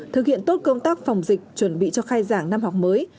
thực hiện tốt công tác phòng dịch chuẩn bị cho khai giảng năm học mới